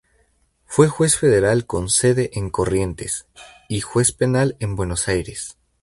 Fue juez federal con sede en Corrientes, y juez penal en Buenos Aires.